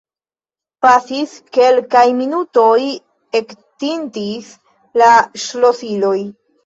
Pasis kelkaj minutoj; ektintis la ŝlosiloj.